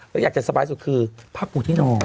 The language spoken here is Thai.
แล้วอยากจะสบายสุดคือผ้าปูที่นอน